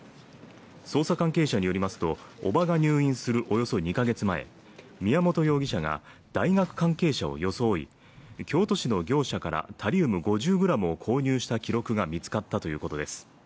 捜査関係者によりますと、叔母が入院するおよそ２か月前、宮本容疑者が大学関係者を装い、京都市の業者からタリウム５０ｇを購入した記録が見つかったということです。